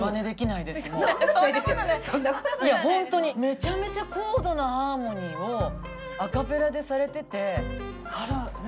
いや本当にめちゃめちゃ高度なハーモニーをアカペラでされてて。